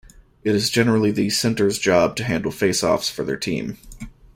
It is generally the centre's job to handle faceoffs for their team.